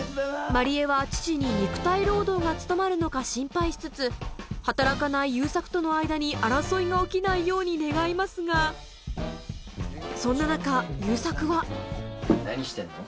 万里江は父に肉体労働が務まるのか心配しつつ働かない悠作との間に争いが起きないように願いますがそんな中悠作は何してんの？